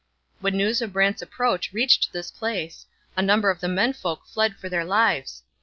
When news of Brant's approach reached this place, a number of the men folk fled for their lives.